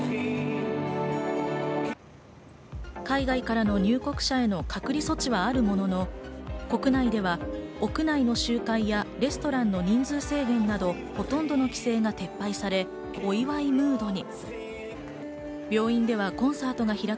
海外からの入国者への隔離措置はあるものの、屋内の集会やレストランの人数制限など、ほとんどの規制が撤廃され、お祝いムードに。